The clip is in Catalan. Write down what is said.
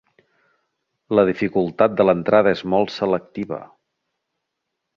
La dificultat de l'entrada és molt selectiva.